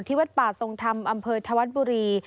ที่วัดป่าสงธรรมอำเภอทวัดบุรี